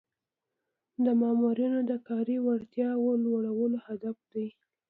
د مامورینو د کاري وړتیاوو لوړول هدف دی.